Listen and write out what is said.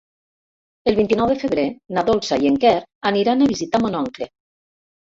El vint-i-nou de febrer na Dolça i en Quer aniran a visitar mon oncle.